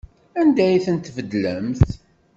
Anda ay ten-tbeddlemt?